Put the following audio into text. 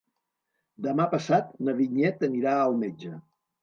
Demà passat na Vinyet anirà al metge.